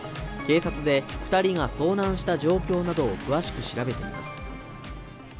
警察で２人が遭難した状況などを詳しく調べています。